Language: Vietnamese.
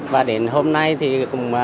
và đến hôm nay thì cũng